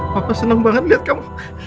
papa seneng banget liat kamu